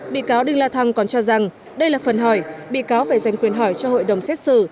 bị cáo đinh la thăng còn cho rằng đây là phần hỏi bị cáo phải dành quyền hỏi cho hội đồng xét xử